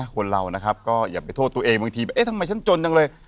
คนเรานะครับก็อย่าไปโทษตัวเองบางทีแบบเอ๊ะทำไมฉันจนจังเลย